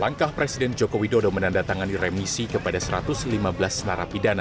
langkah presiden jokowi dodo menandatangani remisi kepada satu ratus lima belas selara pidana